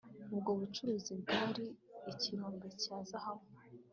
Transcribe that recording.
ubwo bucuruzi bwari ikirombe cya zahabu